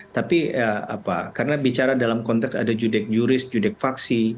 tapi karena bicara dalam konteks ada judek juris judek faksi